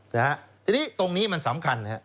ทีนี้ตรงนี้มันสำคัญ